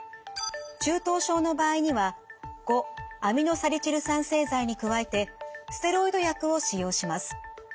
中等症の場合には５−アミノサリチル酸製剤に加えてステロイド薬を使用します。